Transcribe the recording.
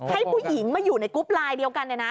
มีผู้หญิงมาอยู่ในกรุ๊ปลายเดียวกันเลยนะ